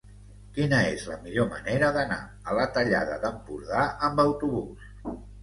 Quina és la millor manera d'anar a la Tallada d'Empordà amb autobús?